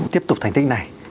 tiếp tục thành tích này